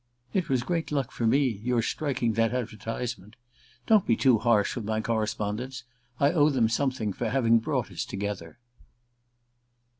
"It was great luck for me, your striking that advertisement. Don't be too harsh with my correspondents I owe them something for having brought us together."